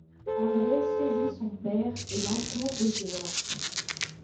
André saisit son père et l’entoure de ses bras.